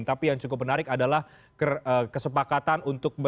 tapi yang cukup menarik adalah kesepakatan untuk